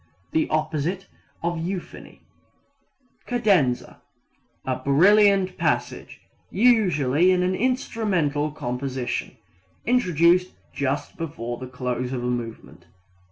The opposite of euphony. Cadenza A brilliant passage, usually in an instrumental composition, introduced just before the close of a movement.